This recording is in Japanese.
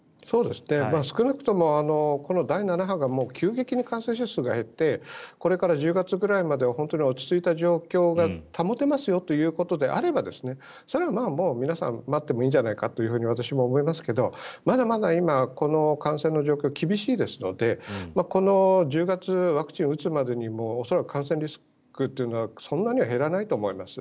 少なくともこの第７波が急激に感染者数が減ってこれから１０月くらいまで落ち着いた状況が保てますよということであればそれは皆さん待ってもいいじゃないかと私も思いますがまだまだ今、この感染の状況厳しいですのでこの１０月ワクチンを打つまでに恐らく感染リスクというのはそんなには減らないと思います。